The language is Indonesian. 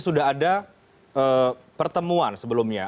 sudah ada pertemuan sebelumnya